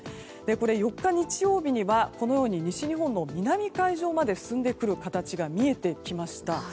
４日、日曜日には西日本の南海上まで進んでくる形が見えてきました。